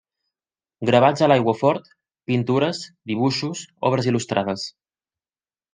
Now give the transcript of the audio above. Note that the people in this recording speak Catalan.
Gravats a l'aiguafort, pintures, dibuixos, obres il·lustrades.